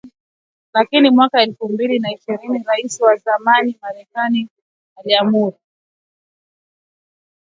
Lakini mwaka elfu mbili na ishirini Raisi wa zamani Marekani Donald Trump aliamuru